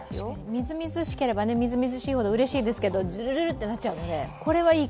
みずみずしければみずみずしいほど、うれしいですけど、ジュルジュルッてなっちゃうから。